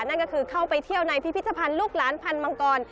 นั่นก็คือเข้าไปเที่ยวในพิพิธภัณฑ์ลูกหลานพันธ์มังกร